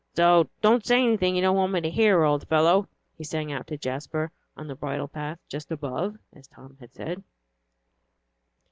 So don't say anything you don't want me to hear, old fellow," he sang out to Jasper on the bridle path "just above," as Tom had said.